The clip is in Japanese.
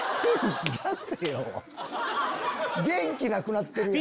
元気なくなってるやん。